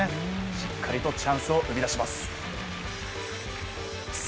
しっかりとチャンスを生み出しました。